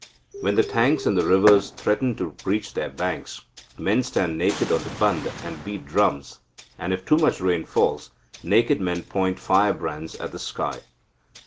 When the tanks and rivers threaten to breach their banks, men stand naked on the bund, and beat drums; and, if too much rain falls, naked men point firebrands at the sky.